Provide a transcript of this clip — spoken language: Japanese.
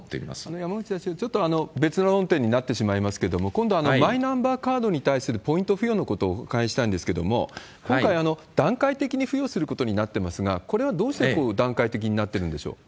山口代表、ちょっと別の論点になってしまいますけれども、今度、マイナンバーカードに対するポイント付与のことをお伺いしたいんですけれども、今回、段階的に付与することによってますが、これはどうしてこういう段階的になってるんでしょう？